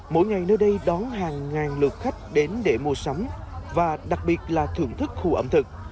mỗi ngày nơi đây đón hàng ngàn lượt khách đến để mua sắm và đặc biệt là thưởng thức khu ẩm thực